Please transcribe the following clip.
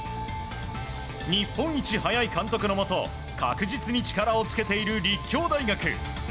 日本一速い監督のもと確実に力をつけている立教大学。